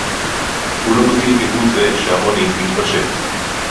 הוא לא מזכיר כהוא-זה שהעוני מתפשט